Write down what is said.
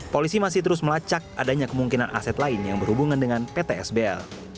polisi masih terus melacak adanya kemungkinan aset lain yang berhubungan dengan pt sbl